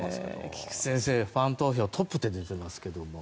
菊地先生、ファン投票トップって出てますけど。